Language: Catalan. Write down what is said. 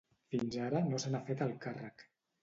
Fins ara no se n'ha fet el càrrec.